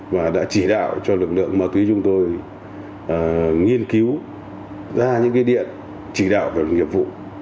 và đã chỉ đạo cho lực lượng ma túy chúng tôi nghiên cứu ra những điện chỉ đạo về nghiệp vụ